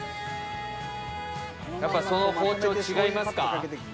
やっぱその包丁違いますか？